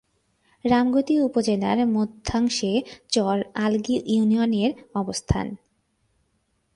রামগতি উপজেলার মধ্যাংশে চর আলগী ইউনিয়নের অবস্থান।